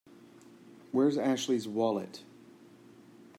Where's Ashley's wallet?